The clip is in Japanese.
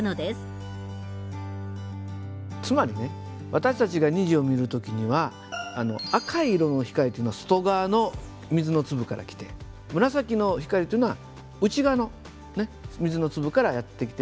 つまりね私たちが虹を見る時には赤い色の光っていうのは外側の水の粒から来て紫の光っていうのは内側のね水の粒からやって来てる。